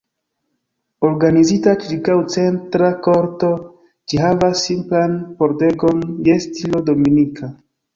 Organizita ĉirkaŭ centra korto, ĝi havas simplan pordegon je stilo dominika.